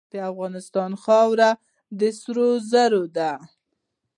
د افغانستان خاوره د سرو زرو ده.